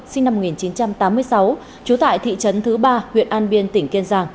sinh năm một nghìn chín trăm tám mươi sáu trú tại thị trấn thứ ba huyện an biên tỉnh kiên giang